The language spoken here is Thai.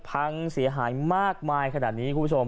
พังเสียหายมากมายขนาดนี้คุณผู้ชม